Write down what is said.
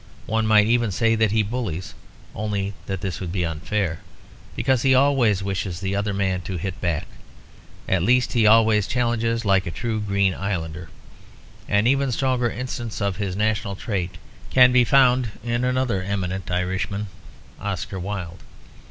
One might even say that he bullies, only that this would be unfair, because he always wishes the other man to hit back. At least he always challenges, like a true Green Islander. An even stronger instance of this national trait can be found in another eminent Irishman, Oscar Wilde.